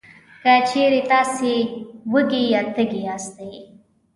که چېرې تاسې وږي یا تږي یاستی،